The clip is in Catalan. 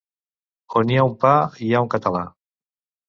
On hi ha un pa hi ha un català.